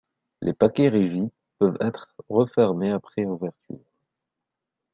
Les paquets rigides peuvent être refermés après ouverture.